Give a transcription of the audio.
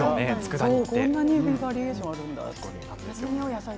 こんなにバリエーションがあるんだって。